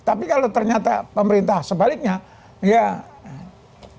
tapi kalau ternyata pemerintahan itu tidak ada dampak maka itu tidak akan negatif